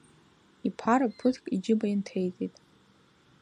Иԥара ԥыҭк иџьыба инҭеиҵеит.